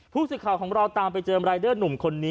ผู้สื่อข่าวของเราตามไปเจอรายเดอร์หนุ่มคนนี้